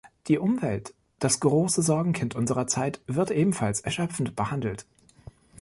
Die Umwelt das große Sorgenkind unserer Zeit wird ebenfalls erschöpfend behandelt.